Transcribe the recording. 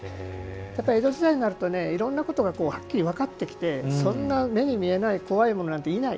江戸時代になるといろんなことがはっきり分かってきてそんな目に見えない怖いものなんていない。